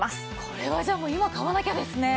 これはじゃあ今買わなきゃですね。